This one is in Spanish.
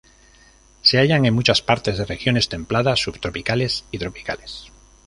Se hallan en muchas partes de regiones templadas, subtropicales y tropicales.